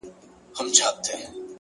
د باران وروسته خټې تل نوی شکل اخلي،